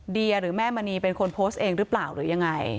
เดียหรือแม่มณีเป็นคนโพสต์เองหรือเปล่าหรือยังไง